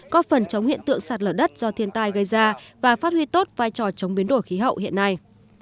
có phần chống hiện tượng sạt lở đất do thiên tai gây ra và phát huy tốt vai trò chống biến đổi khí hậu hiện nay